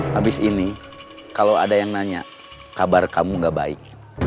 habis ini kalau ada yang nanya kabar kamu gak baik